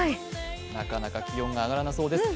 なかなか気温が上がらなそうです。